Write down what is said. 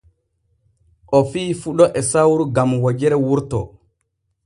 O fiyi fuɗo e sawru gam wojere wurto.